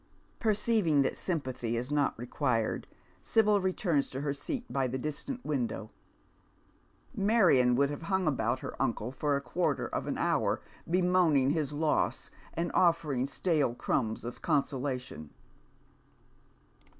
Perceiving that sympathy is not required, Sibyl returns to her leat by the distant window. Marion would have hung about her inde for a quarter of an hour bemoaning his loss and ofEcring Btale crumbs of consolation.